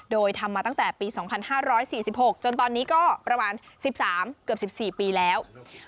โดยทำมาตั้งแต่ปี๒๕๔๖จนตอนนี้ก็ประมาณ๑๓เกือบ๑๔ปีแล้ว